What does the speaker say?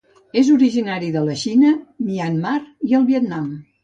És originari de la Xina, Myanmar i el Vietnam.